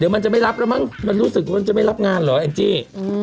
มันจะไม่รับแล้วมั้งมันรู้สึกว่ามันจะไม่รับงานเหรอแองจี้